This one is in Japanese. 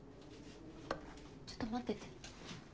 ちょっと待ってて。